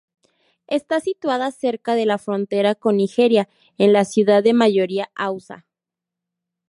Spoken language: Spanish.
Está situada cerca de la frontera con Nigeria, es una ciudad de mayoría hausa.